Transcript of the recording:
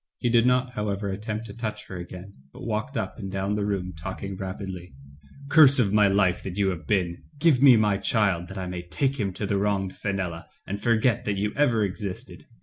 He did not, however, attempt to touch her again, but walked up and down the room talking rapidly: "Curse of my life that you have been, give me my child, that I may take him to the wronged Fenella and forget that you ever existed.